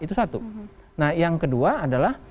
itu satu nah yang kedua adalah